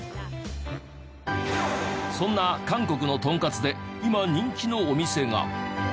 そんな韓国のとんかつで今人気のお店が。